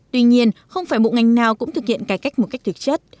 tuy nhiên không phải bộ ngành nào cũng thực hiện cải cách một cách thực chất